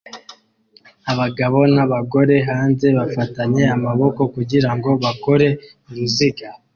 Abagabo n'abagore hanze bafatanye amaboko kugirango bakore uruziga